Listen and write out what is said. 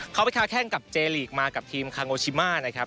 เขาไปค้าแข้งกับเจลีกมากับทีมคาโงชิมานะครับ